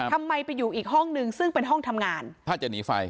ทำไมไปอยู่อีกห้องนึงซึ่งเป็นห้องทำงานถ้าจะหนีไฟ